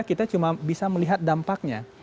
kita cuma bisa melihat dampaknya